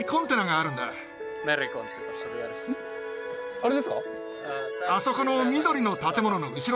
あれですか？